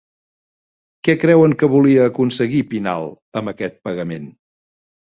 Què creuen que volia aconseguir Pinal amb aquest pagament?